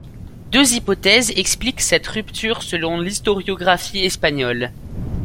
Deux hypothèses expliquent cette rupture selon l'historiographie espagnole.